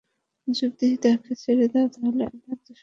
যদি তাকে ছেড়ে দাও, তাহলে আমি আত্মসম্পর্ণ করব।